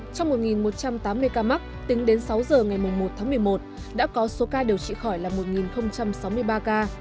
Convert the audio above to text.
trong một một trăm tám mươi ca mắc tính đến sáu giờ ngày một tháng một mươi một đã có số ca điều trị khỏi là một sáu mươi ba ca